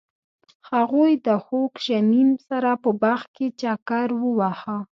هغوی د خوږ شمیم سره په باغ کې چکر وواهه.